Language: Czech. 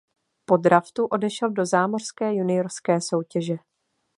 Po draftu odešel do zámořské juniorské soutěže.